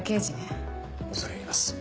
恐れ入ります。